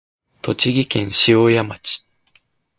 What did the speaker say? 栃木県塩谷町